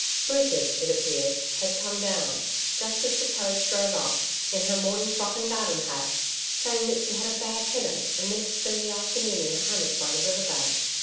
Bridget, it appeared, had come down, just as the carriage drove up, in her morning frock and garden hat, saying that she had a bad headache and meant to spend the afternoon in a hammock by the river bank.